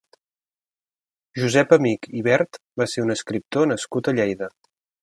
Josep Amich i Bert va ser un escriptor nascut a Lleida.